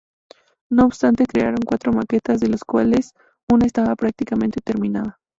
No obstante, crearon cuatro maquetas, de las cuales una estaba prácticamente terminada.